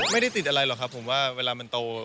ไม่ได้ติดอะไรหรอกครับผมว่าเวลามันโต